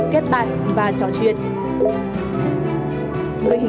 kết bạn và trò chuyện